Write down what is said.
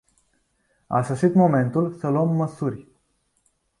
A sosit momentul să luăm măsuri.